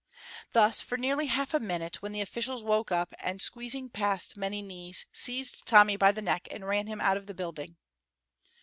Thus for nearly half a minute, when the officials woke up, and squeezing past many knees, seized Tommy by the neck and ran him out of the building.